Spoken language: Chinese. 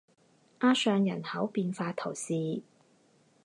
阿尚人口变化图示